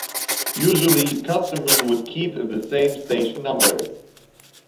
Usually customers would keep the same station numbers.